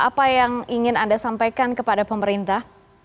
apa yang ingin anda sampaikan kepada pemerintah